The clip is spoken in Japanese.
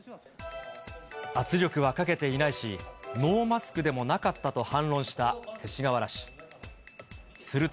圧力はかけていないし、ノーマスクでもなかったと反論した勅使河原氏。